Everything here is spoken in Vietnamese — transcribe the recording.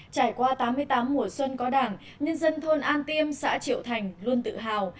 trải qua tám mươi tám mùa xuân có đảng nhân dân thôn an tiêm xã triệu thành luôn tự hào